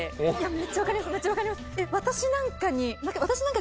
めっちゃ分かります。